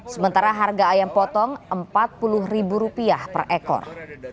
sementara harga ayam potong rp empat puluh per ekor